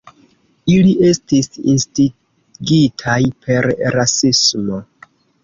Ili estis instigitaj per rasismo.